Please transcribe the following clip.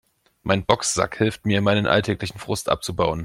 Mein Boxsack hilft mir, meinen alltäglichen Frust abzubauen.